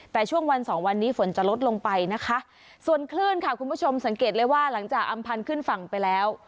แต่ช่วงวันสองวันนี้ฝนจะลดลงไปนะคะส่วนคลื่นค่ะคุณผู้ชมสังเกตเลยว่าหลังจากอำพันธ์ขึ้นฝั่งไปแล้ว